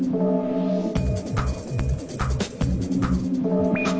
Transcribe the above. ก็แบบนั้น